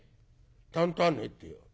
「たんとはねえってよ。